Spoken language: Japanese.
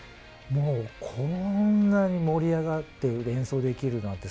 こんなに盛り上がって演奏できるなんて。